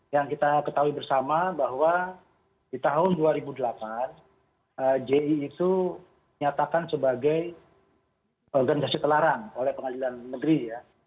yang kita ketahui bersama bahwa di tahun dua ribu delapan ji itu nyatakan sebagai organisasi terlarang oleh pengadilan negeri ya